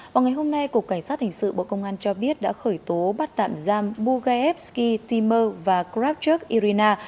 vào ngày hôm nay cục cảnh sát hình sự bộ công an cho biết đã khởi tố bắt tạm giam bugaevsky timur và kravchuk irina